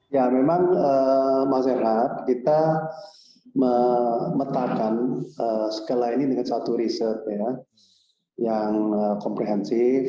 ya memang mas hera kita memetakan segala ini dengan satu riset yang komprehensif